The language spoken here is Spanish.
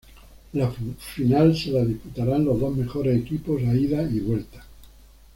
La final se la disputarán los dos mejores equipos a ida y vuelta.